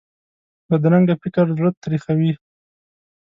بدرنګه فکر زړه تریخوي